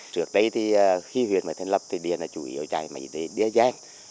trước đây thì khi huyện mới thành lập thì điện là chủ yếu chạy máy đĩa giang